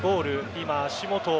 今、足元